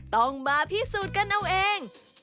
ต้องมาพิสูจน์กันเอาเอง